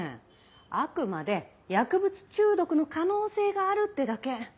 あくまで薬物中毒の可能性があるってだけ。